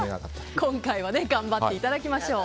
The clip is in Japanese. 今回は頑張っていただきましょう。